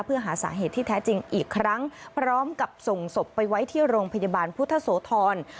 เพื่อหาสาเหตุที่แท้จริงอีกครั้งพร้อมกับส่งศพไปไว้ที่โรงพยาบาลพุทธโสธร